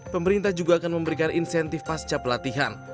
pemerintah juga akan memberikan insentif pasca pelatihan